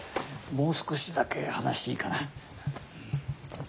もう少しだけ話いいかな。